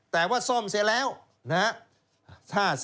แต่ว่าซ่อมเสียแล้วนะฮะ